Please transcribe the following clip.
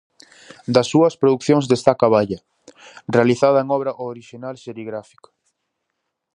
Das súas producións destaca "Valla", realizada en obra orixinal serigráfica.